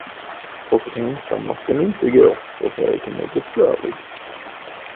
Och ensamma ska ni inte gå, för vägen är besvärlig.